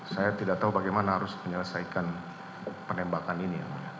saya tidak tahu bagaimana harus menyelesaikan penembakan ini